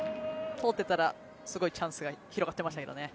通っていたら、すごいチャンスが広がってましたけどね。